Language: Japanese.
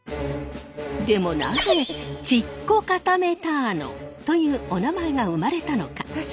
でもなぜチッコカタメターノというおなまえが生まれたのか？